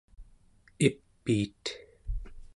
ipiit